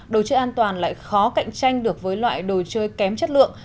đồ chơi an toàn lại khó cạnh tranh được với loại đồ chơi kém chất lượng